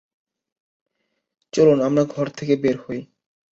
চলুন, আমরা ঘর থেকে বের হই।